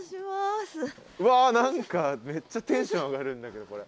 うわ何かめっちゃテンション上がるんだけどこれ。